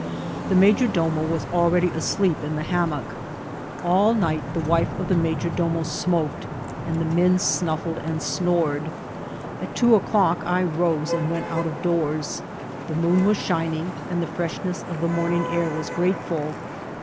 The major domo was already asleep in the hammock. All night the wife of the major domo smoked, and the men snuffled and snored. At two o'clock I rose and went out of do<»rs. The moon was shining, and the firesh ness of the morning air was grateful.